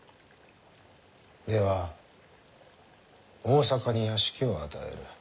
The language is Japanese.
では大坂に屋敷を与える。